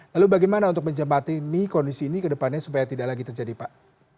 lalu bagaimana untuk menjembatani kondisi ini ke depannya supaya tidak lagi terjadi pak